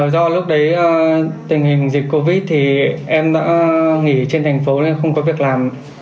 do lúc đấy tình hình dịch covid thì em đã nghỉ trên thành phố không có việc làm